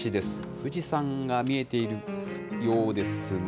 富士山が見えているようですね。